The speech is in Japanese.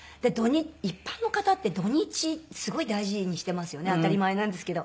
一般の方って土日すごい大事にしてますよね当たり前なんですけど。